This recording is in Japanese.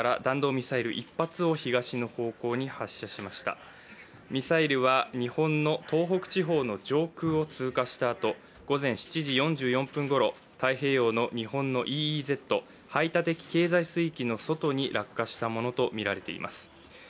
ミサイルは日本の東北地方の上空を通過したあと午前７時４４分ごろ、太平洋の日本のＥＥＺ＝排他的経済水域の外に落下したものとみられています。